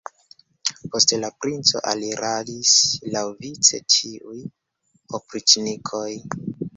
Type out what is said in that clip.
Post la princo aliradis laŭvice ĉiuj opriĉnikoj.